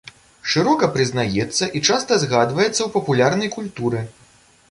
Шырока прызнаецца і часта згадваецца ў папулярнай культуры.